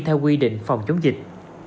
theo quy định phòng chống dịch